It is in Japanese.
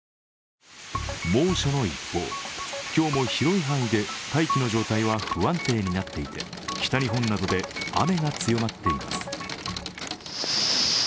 猛暑の一方、今日も広い範囲で大気の状態は不安定になっていて北日本などで雨が強まっています。